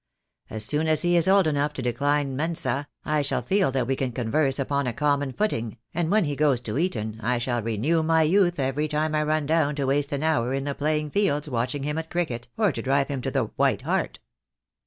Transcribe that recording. As soon as he is old enough to decline mensa I shall feel that we can converse upon a common footing, and when he goes to Eton I shall renew my youth every time I run down to waste an hour in the playing fields watching, him at cricket, or to drive him to the 'White Hart.'